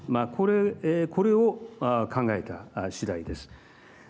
これを考えた次第です。